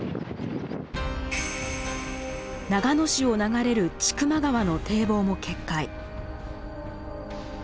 長野市を流れる千曲川の堤防も決壊。